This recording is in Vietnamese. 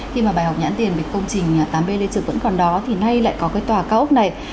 khi mà bài học nhãn tiền về công trình tám b lê trực vẫn còn đó thì nay lại có cái tòa cao ốc này